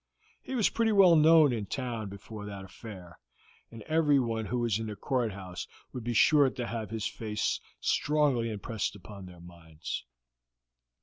He was pretty well known in town before that affair, and everyone who was in the courthouse would be sure to have his face strongly impressed upon their minds.